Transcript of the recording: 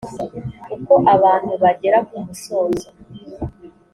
uko abantu bagera kumusozo